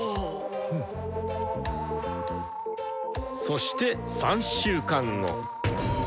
そして３週間後。